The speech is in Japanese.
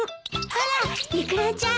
あらイクラちゃん。